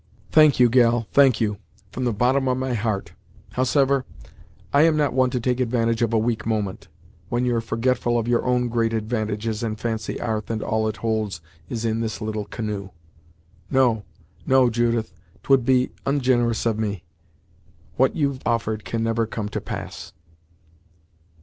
"Thank you, gal thank you, from the bottom of my heart. Howsever, I am not one to take advantage of a weak moment, when you're forgetful of your own great advantages, and fancy 'arth and all it holds is in this little canoe. No no Judith, 'twould be onginerous in me; what you've offered can never come to pass!"